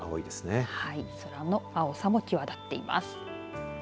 空の青さもきわだっています。